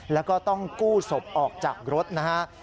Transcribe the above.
แล้วก็ต้องกู้ศพออกจากรถนะฮะ